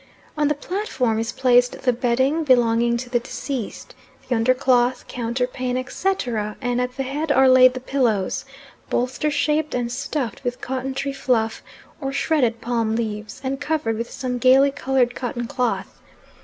On the platform, is placed the bedding belonging to the deceased, the undercloth, counterpane, etc., and at the head are laid the pillows, bolster shaped and stuffed with cotton tree fluff, or shredded palm leaves, and covered with some gaily coloured cotton cloth.